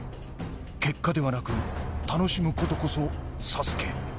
結果ではなく楽しむことこそＳＡＳＵＫＥ。